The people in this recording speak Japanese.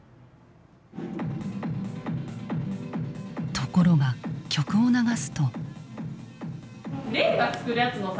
ところが曲を流すと。